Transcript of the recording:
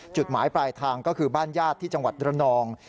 จุดหมายปลายทางก็คือบ้านญาติที่จังหวัดระนอง